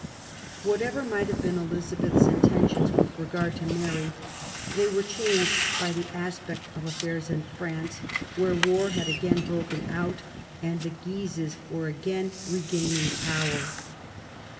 Whatever might have been Elizabeth's intentions with regard to Mary, they were changed by the aspect of affairs in France, where war had again broken out and the Guises were again regaining power.